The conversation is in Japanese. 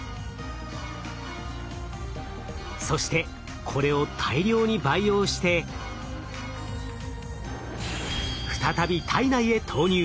そしてこれを大量に培養して再び体内へ投入。